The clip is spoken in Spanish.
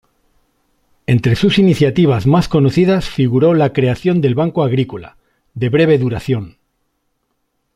Entre sus iniciativas más conocidas figuró la creación del Banco Agrícola, de breve duración.